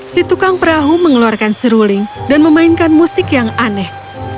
si tukang perahu mengeluarkan seruling dan memainkan musik yang aneh